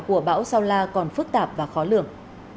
của bão sao la còn phức tạp và khó lường